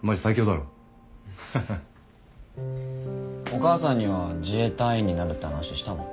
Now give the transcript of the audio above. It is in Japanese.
お母さんには自衛隊員になるって話したの？